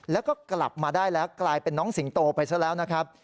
แล้วก็กลับมาได้แล้วกลายเป็นน้องสิงโตไปซะแล้วนะครับ